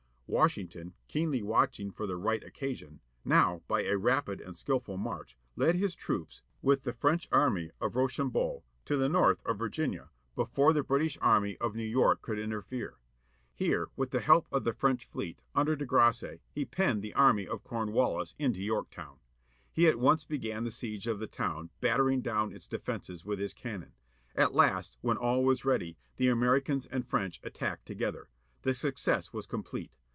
Washington, keenly watching for the right \^| occasion, now, by a rapid and skilful march, led his troops, |JJ||||m||J|^^ ^^^^^^ French army of Rochambeau, from the north to ||iif^?SP||H 25 PAUL JONES FIGHTING THE "SERAPIS 26 YORKTOWN VICTORY, 1781 British army of New York could interfere. Here, with the help of the French fleet, under De Grasse, he penned the army of Comwallis into Yorktown. He at once began the siege of the town, battering down its defences with his cannon. At last, when all was ready, the Americans and French attacked together. The success was complete.